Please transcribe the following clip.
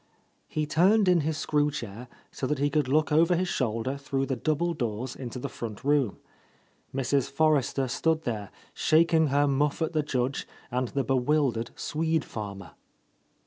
He turned in his screw chair so that he could look over his shoulder through the double doors into the front room. Mrs. Forrester stood there, shaking her muff at the Judge and the bewildered Swede farmer.